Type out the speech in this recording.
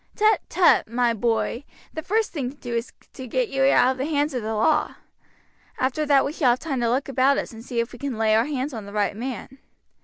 "Tut, tut! my boy; the first thing to do is to get you out of the hands of the law. After that we shall have time to look about us and see if we can lay our hands on the right man.